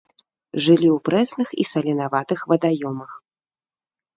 Жылі ў прэсных і саленаватых вадаёмах.